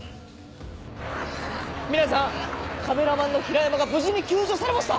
皆さんカメラマンの平山が無事に救助されました！